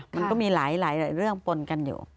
มันก็มีหลายเรื่องปนกันอยู่